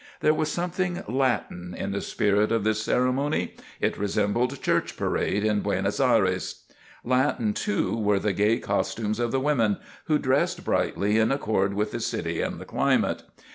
There was something Latin in the spirit of this ceremony it resembled church parade in Buenos Ayres. Latin, too, were the gay costumes of the women, who dressed brightly in accord with the city and the climate.